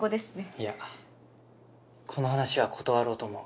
いやこの話は断ろうと思う。